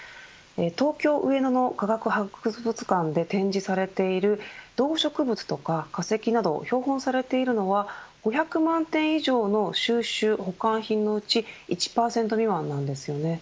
東京・上野の科学博物館で展示されている動植物とか化石など標本されているのは５００万点以上の収集の保管品のうち１％未満なんですよね。